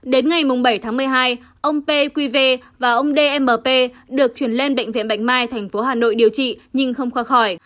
đến ngày bảy tháng một mươi hai ông pqv và ông dmp được chuyển lên bệnh viện bạch mai thành phố hà nội điều trị nhưng không qua khỏi